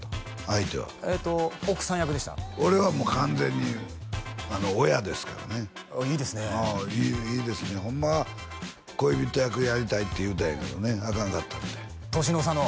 相手はえーと奥さん役でした俺はもう完全に親ですからねああいいですねああいいですねホンマは恋人役やりたいって言うたんやけどねアカンかったみたい年の差の？